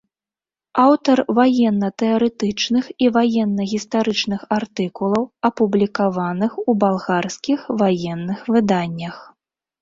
Аўтар ваенна-тэарэтычных і ваенна-гістарычных артыкулаў, апублікаваных у балгарскіх ваенных выданнях.